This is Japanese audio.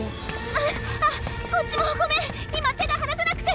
あああっこっちもごめん今手が離せなくて！